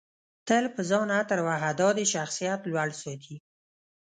تل په ځان عطر وهه دادی شخصیت لوړ ساتي